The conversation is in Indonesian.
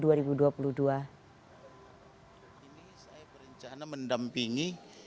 kini saya berencana mendampingi